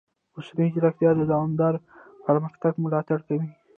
مصنوعي ځیرکتیا د دوامدار پرمختګ ملاتړ کوي.